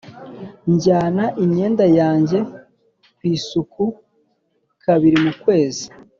njyana imyenda yanjye ku isuku kabiri mu kwezi.